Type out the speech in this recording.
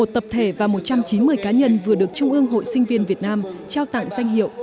một tập thể và một trăm chín mươi cá nhân vừa được trung ương hội sinh viên việt nam trao tặng danh hiệu